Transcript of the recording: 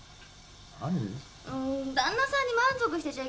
ん旦那さんに満足してちゃいけないの。